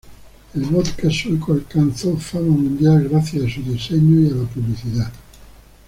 El vodka sueco alcanzó fama mundial gracias a su diseño y a la publicidad.